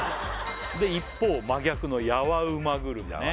一方真逆のヤワうまグルメね